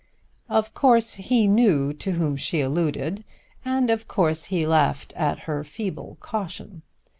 Of course he knew to whom she alluded, and of course he laughed at her feeble caution.